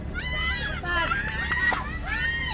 jangan jangan jangan